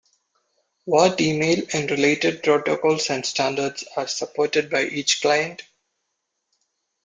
What email and related protocols and standards are supported by each client.